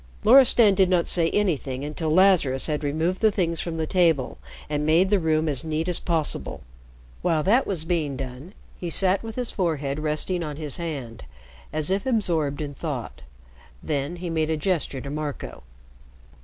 Loristan did not say anything until Lazarus had removed the things from the table and made the room as neat as possible. While that was being done, he sat with his forehead resting on his hand, as if absorbed in thought. Then he made a gesture to Marco.